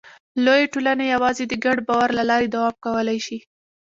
لویې ټولنې یواځې د ګډ باور له لارې دوام کولی شي.